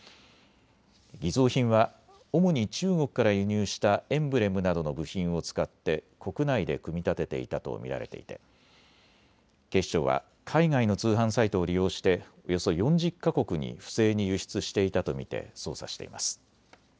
偽造品は主に中国から輸入したエンブレムなどの部品を使って国内で組み立てていたと見られていて警視庁は海外の通販サイトを利用しておよそ４０か国に不正に輸出していたと見て捜査しています。